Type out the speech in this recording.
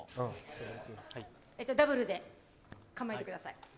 ダブルで構えてください。